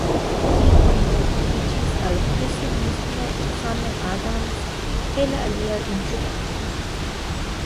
Li konvertiĝis al kristanismo, same Adams kaj la aliaj insulanoj.